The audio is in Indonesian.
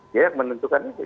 dia yang menentukan itu